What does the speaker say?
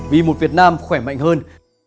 vì một việt nam khỏe mạnh hơn